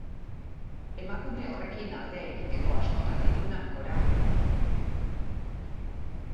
Emakume horrekin alde egiteko asmotan nindunan, Cora.